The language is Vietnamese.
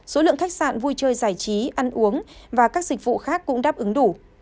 số lượng khách sạn vui chơi giải trí ăn uống và các dịch vụ khác cũng đáp ứng đủ